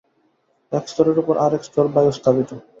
এক স্তরের উপর আর এক স্তর বায়ু স্থাপিত।